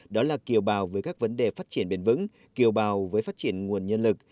đó là kiều bào với các vấn đề phát triển bền vững kiều bào với phát triển nguồn nhân lực